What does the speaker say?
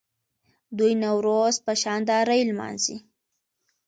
دوی نوروز په شاندارۍ لمانځي.